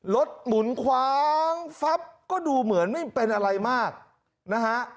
หมุนคว้างฟับก็ดูเหมือนไม่เป็นอะไรมากนะฮะ